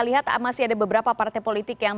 lihat masih ada beberapa partai politik yang